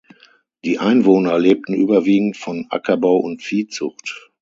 Die Einwohner lebten überwiegend von Ackerbau und Viehzucht.